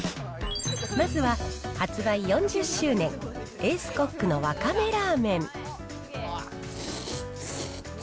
まずは発売４０周年、エースコックのわかめラーメン。